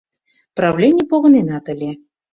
Правлений погыненат ыле.